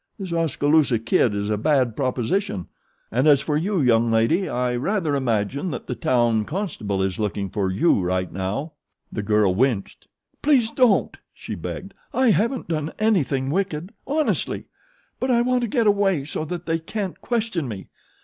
This Oskaloosa Kid is a bad proposition; and as for you, young lady, I rather imagine that the town constable is looking for you right now." The girl winced. "Please don't," she begged. "I haven't done anything wicked, honestly! But I want to get away so that they can't question me.